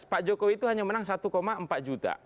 pak jokowi itu hanya menang satu empat juta